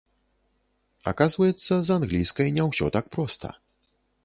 Аказваецца, з англійскай не ўсё так проста.